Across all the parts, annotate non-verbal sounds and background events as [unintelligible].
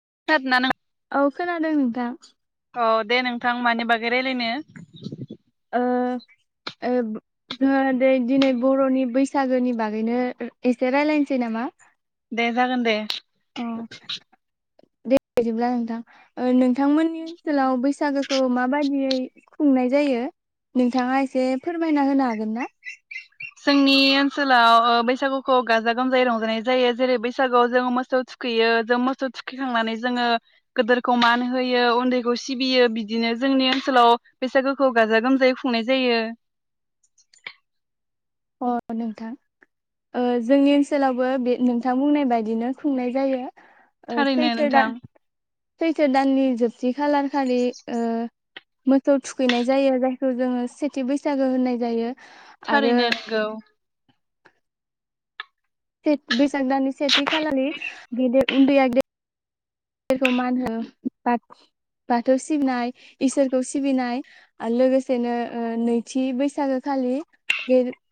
[unintelligible] औ खोनादों नोंथां औ दे नोंथां मानि बागै राय्लायनो ओ ओ गोन दिनै बरनि बैसा सागोनि बागैनो एसे रायलायनोसै नामा दे जागोन दे अ दे बिदिब्ला नोंथां ओ नोंथांमोननि ओनसोलाव बैसागोखौ माबायदियै खुंनाय जायो नोंथाङा एसे फोरमायना होनो हागोन ना? जोंनि ओनसोलाव बैसागुखौ गाजा गोमजायै रंजानाय जायो जेरै बैसागुआव जों मोसौ थुखैयो जों मोसौ थुखैखांनानै जोङो गोदोरखौ मान होयो उन्दैखौ सिबियो बिदिनो जोंनि ओनसोलाव बैसागुखौ गाजा गोमजायै खुंनाय जायो। अ नोंथां ओ जोंनि ओनसोलावबो बे नोंथां बुंनाय बायदिनो खुंनाय जायो ओ थारैनो सैथो नोंथां दान सैथो दाननि जोबथि खालार खालि ओ मोसौ थुखैनाय जायो जायखौ जोङो सेथि बैसागो होननाय जायो। आरो थारैनो नोंगौ सेथ बै साग दाननि सेथि खालारनि गेदेर उन्दैया गे देरखौ मान हो बाथ-बाथौ सिबिनाय इसोरखौ सिबिनाय लोगोसेनो ओ नैथि बैसागो खालि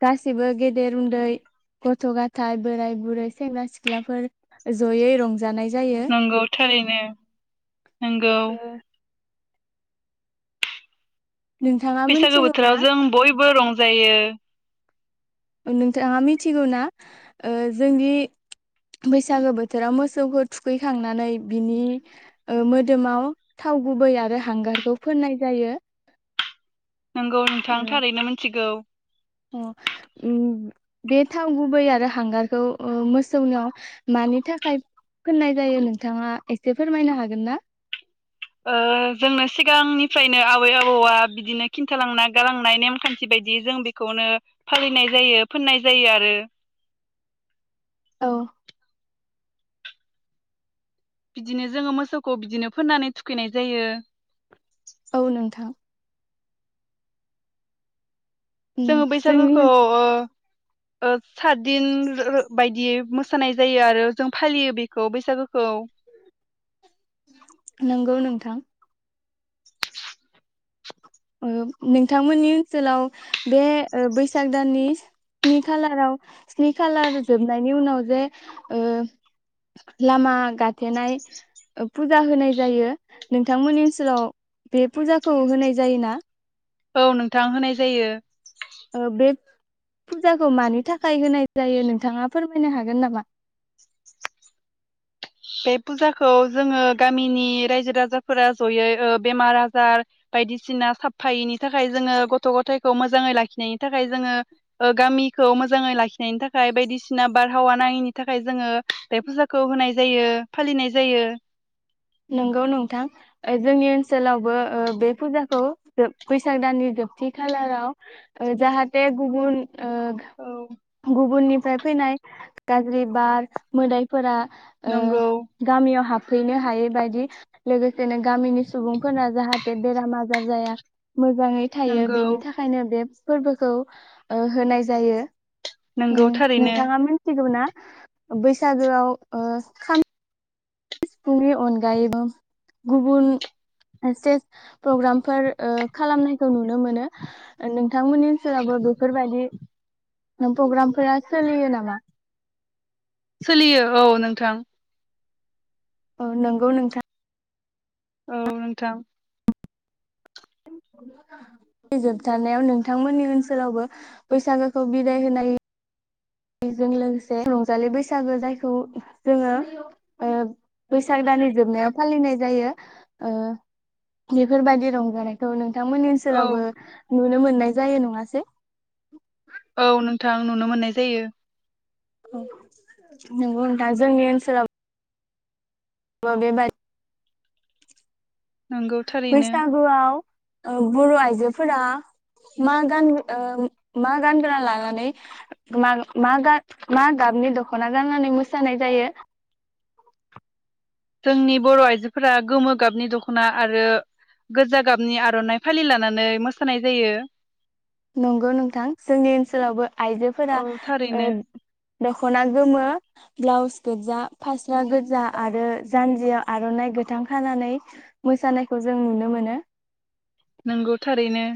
गासिबो गेदेर उन्दै गथ' गथाय बोराय बुरै सेंग्रा सिख्लाफोर जयै रं नंगौ थारैनो नो नोंगौ नोंथाङा बैसागो मिथिगौ ना बोथोराव जों बयबो रं जायो नोंथाङा मिथिगौ ना ओ जोंनि बैसागो बोथोराव मोसौखौ थुखैखांनानै बिनि ओ मोदोमाव थाव गुबै आरो हांगारखौ फोननाय जायो। नोंगौ नोंथां ओ थारैनो मिथिगौ अ बे थाव गुबै आरो हांगारखौ मोसौनियाव मानि थाखाय फोननाय जायो नोंथाङा एसे फोरमायनो हागोन ना। ओ जोंनो सिगांनिफ्रायनो आबै आबौआ बिदिनो खिन्थालांना गालांनाय नेमखान्थि बायदि जों बेखौनो फालिनाय जायो फोननाय जायो आरो। औ बिदिनो जोङो मोसौखौ बिदिनो फोननानै थुखैनाय जायो। औ नोंथां जोङो उम जोंनि बैसागोखौ ओ सातदिन बायदियै मोसानाय जायो आरो जों फालियो बेखौ बैसागो नंगौ नों थां नोंथांमोननि ओनसोलाव बे बैसाग दाननि स्नि खालाराव स्नि खालार जोबनायनि उनाव जे लामा गाथेनाय फुजा होनाय जायो नोंथांमोननि ओनसोलाव बे फुजाखौ होनाय जायोना औ नोंथां होनाय जायो। ओ बे फुजाखौ मानि थाखाय होनाय जायो नोंथाङा फोरमायनो हागोन नामा बे फुजाखौ जोङो गामिनि रायजो राजाफोरा जयै बेमार आजार बायदिसिना साबफायैनि थाखाय जोङो गथ' गथायखौ मोजाङै लाखिनाय निथाखाय जोङो ओ गामि खौ मोजाङै लाखिनायनि थाखाय बायदिसिना बारहावा नाङिनि थाखाय जोङो बे फुजाखौ होनाय जायो फालिनाय जायो नंगौ नोंथां जोंनि ओनसोलावबो बे फुजाखौ बैसाग दाननि जोबथि खालाराव जाहाथे गुबुन औ गुबुननि फ्राय फैनाय गाज्रि बार मोदाय फोरा ओ नंगौ गामियाव हाब हैनो हायो बायदि लागो सेनो गामिनि सुबुंफोराना जाहाथे बेराम आजार जाया। मोजाङै थायो नंगौ बिनि थाखायनो बे फोरबोखौ ओ होनाय जायो। नंगौ ओ थारैनो नोंथाङा मिथिगौ ना बैसागोआव ओ खाम सिफुंनि अनगायैबो गुबुन स्टेज प्रग्रामफोर खालामनायखौ नुनो मोनो नोंथांमोननि सोराबो बेफोरबायदि पग्रामफोरा सोलियो नामा? सोलियो औ नोंथां औ नंगौ नोंथां। औ नोंथां जोबथनायाव नोंथांमोननि ओनसोलावबो बैसागोखौ बिदाय होनाय बेजों लोगोसे रंजालि बैसागो जायखौ जोङो ओ बैसाग दाननि जोबनायाव फालिनाय जायो ओ बेफोरबायदि रंजानायखौ नों थांमोननि औ ओनसोलावबो नु नो मोननाय जायो नङासै औ नोंथां नुनो मोननाय जायो। नोगौ नोंथां जोंनि ओनसोला बो बे बा नंगौ थारैनो बैसागो आव औ बर' आइजोफोरा मा गान ओ मा गानगोरा लानानै म मा मा गाबनि दख'ना गाननानै मोसानाय जायो। जोंनि बर' आइजोफोरा गोमो गाबनि दख'ना आरो गोजा गाबनि आर'नाइ फालि लानानै मोसानाय जायो नंगौ नोंथां जोंनि ओनसोलावबो आइजोफोरा औ ओ थारैनो दख'ना गोमो ब्लाउस गोजा फास्रा गोजा आरो जानजियाव आर'नाइ गोथां खानानै मोसानायखौ जों नुनो मोनो। नंगौ थारैनो।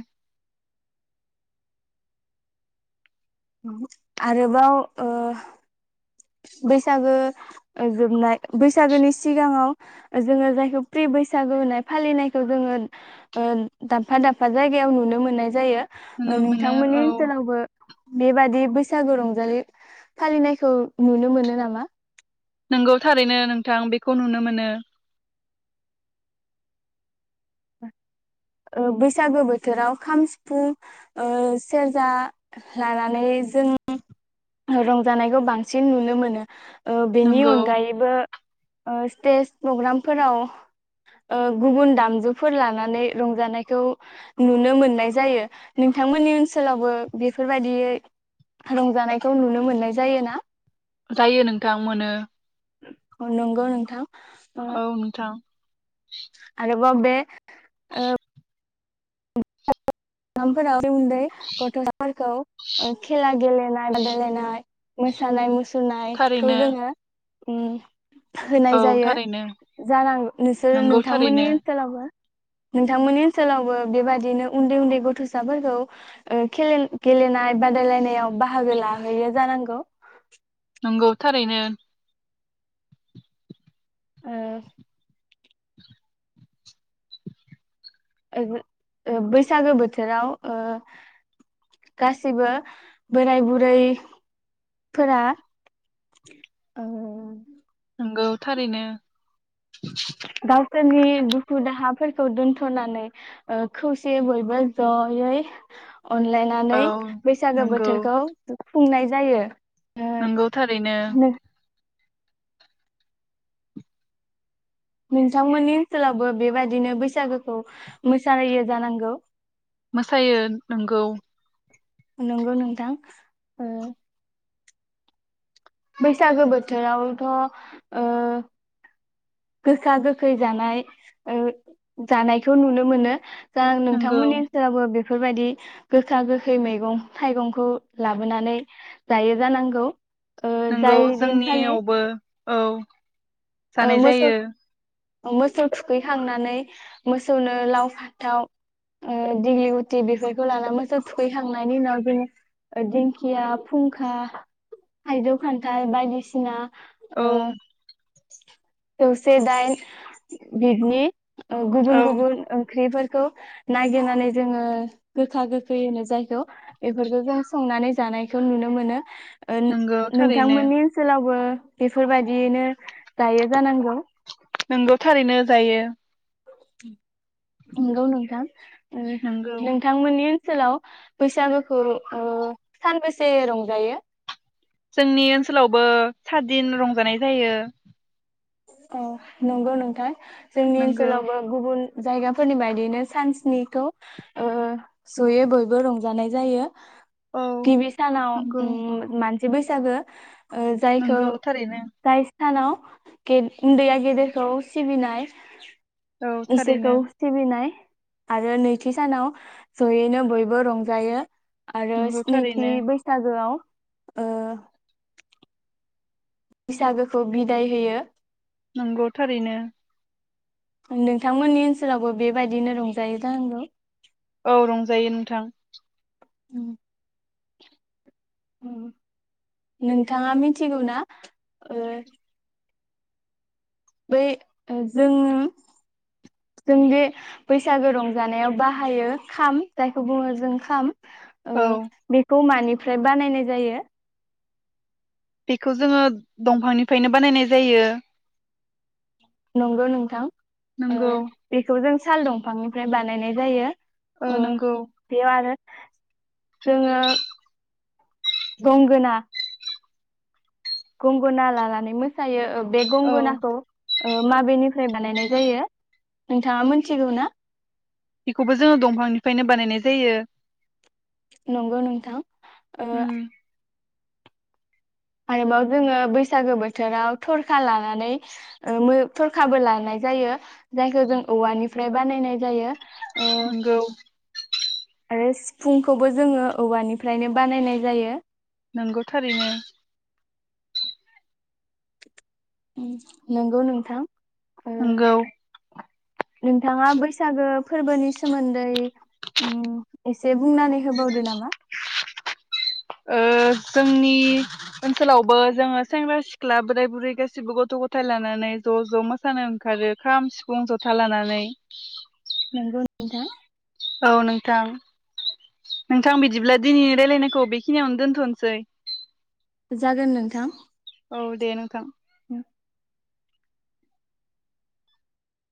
आरोबाव ओ बैसागो जोबनाय बैसागोनि सिगाङाव जोङो जायखौ प्रि बैसागो होनाय फालिनायखौ जोङो ओ दाबफा दाबफा जायगायाव नुनो मोननाय जायो। नुनो मोनो नोंथांमोननि औ ओनसोलावबो बेबादि बैसागु रंजालि फालिनायखौ नुनो मोनो नामा? नोंगौ थारैनो नोंथां बेखौ नुनो मोनो। बैसागो बोथोराव खाम सिफुं सेरजा लानानै जों रंजानायखौ बांसिन नुनो मोनो। बेनि नंगौ अनगायैबो ओ स्टेज प्रग्रामफोराव गुबुन दामजुफोर लानानै रंजानायखौ नुनो मोननाय जायो नोंथांमोननि ओनसोलावबो बेफोरबायाददियै रंजानायखौ नुनो मोननाय जायो ना? जायो नोंथां मोनो औ नंगौ नोंथां। औ नोंथां आरो [unintelligible] ओ दामफोराव उन्दै उन्दै गथ'साफोरखौ खेला गेलेनाय बादायलायनाय मोसानाय मुसुरनाय सुनायखौ थारैनो जोङो ओम औ होनाय जायो थारैनो जानांगौ नोंसोर नंगौ थारैनो नोंथांमोननि ओनसोलावबो नोंथांमोननि ओनसोलावबो बेबायदिनो उन्दै उन्दै गथ'साफोरखौ ओ खेलेनाय गेलेनाय बादायलायनायाव बाहागो लाहैयो जानांगौ [inaudible] नंगौ थारैनो। ओ [unintelligible] ओ बैसागो बोथोराव ओ गासिबो बोराय बुरैफोरा नंगौ थारैनो। गावसोरनि दुखु दाहाफोरखौ खौ दोनथ'नानै खौसेयै बयबो जयै औ अनलायनानै बैसागो नंगौ बोथोरखौ खुंनाय जायो। ओ नंगौ थारैनो‌ नोंथांमोननि ओनसोलावबो बेबायदिनो बैसागोखौ मोसाहोयो जानांगौ। मोसायो नोंगौ। नंगौ नोंथां ओ बैसागो बोथोरावथ'ओ गोखा गोखै जानाय ओ जानायखौ नुनो मोनो। दा नंगौ नोंथांमोननि सेरावबो बेफो बेफोरबायदि गोखा गोखै मैगं थाइगंखौ लाबोनानै जायो जानांगौ। ओ नोंगौ जाय दिनखालि जोंनियावबो औ ओ जानाय मोसौ जायो। मोसौ थुखैखांनानै मोसौनो लाव फाथाव दिगलि गुटि बेफोरखौ लानानै मोसौ थुखैखांनायनि उनाव जोङो दिंखिया फुंखा थाइजौ खान्थाल बायदिसिना औ ओ जौसे दाइन बिदनि औ गुबुन गुबुन ओंख्रिफोर खौ नागिरनानै जोङो गोखा गोखै होनो जायखौ बेफोरखौ जों संनानै जानायखौ नुनो मोनो। ओ नंगौ थारैनो नोंथांमोननि ओनसोलावबो बेफोरबायदियैनो जायो जानांगौ। नंगौ थारैनो जायो। [inaudible] नंगौ नोंथां ओ नंगौ नोंथांमोननि सोलाव बैसागोखौ ओ सानबेसे रंजायो? जोंनि ओनसोलावबो साद दिन रंजानाय जायो। औ नंगौ नोंथां जोंनि नंगौ ओनसोलावबो गुबुन जायगाफोरनि बायदियैनो सान स्निखौ जयै बयबो रंजानाय जायो‌ औ गिबि सानाव नंगौ ओम मानसि बैसागो ओ जायखौ नंगौ थारैनो जाय सानाव गे उन्दैया गेदेरखौ सिबिनाय। औ इसोरखौ थारैनो सिबिनाय आरो नैथि सानाव जयैनो बयबो रंजायो। आरो नंगौ स्निथि थारैनो बैसागोआव। ओ। बैसागोखौ बिदाय होयो। नंगौ थारैनो। नोंथांमोननि ओनसोलावबो बेबायदिनो रंजायो जानांगौ। औ रंजायो नोंथां। नोंथाङा मिथिगौ ना ओ। बै जों जों बे बैसागो रंजानायाव बाहायो खाम जायखौ बुङो जों खाम। औ ओ बेखौ मानि‌ निफ्राय बानायनाय जायो। बेखौ जोङो दंफांनिफ्रायनो बानायनाय जायो। नंगौ नोंथां। ओ नंगौ बेखौ जों। साल दंफांनिफ्राय बानायनाय जायो। ओ नंगौ। बेयाव आरो जोङो गंगोना गंगोना लानानै मोसायो। बे औ गंगोनाखौ ओ माबेनिफ्राय बानायनाय जायो नोंथाङा मोनथिगौ ना। बेखौबो जोङो दंफांनिफ्रायनो बानायनाय जायो। नंगौ नोंथां ओ। उम आरोबाव जोङो बैसागो बोथोराव थरखा लानानै ओ थरखाबो लानाय जायो जायखौ जों औवानिफ्राय बानायनाय जायो। ओ नंगौ। आरो सिफुंखौबो जोङो औवानिफ्रायनो बानायनाय जायो। नंगौ थारैनो। उम नंगौ नोंथां। ओ नंगौ। नोंथाङा बैसागो फोरबोनि सोमोन्दै उम एसे बुंनानै होबावदो नामा। ओ जोंनि ओनसोलावबो जोङो सेंग्रा सिख्ला बोराय बुरै गासैबो गथ' गथाय लानानै ज' ज' मोसानो ओंखारो खाम सिफुं जथा लानानै। नंगौ नोंथां औ नोंथां। नोंथां बिदिब्ला दिनैनि रायलायनायखौ बेखिनियावनो दोनथ'नोसै। जागोन नोंथां। औ दे नोंथां।